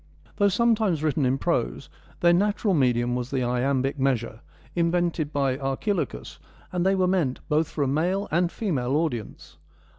Though sometimes written in prose, their natural medium was the iambic measure, invented by Archilochus, and they were meant both for a male and female audience.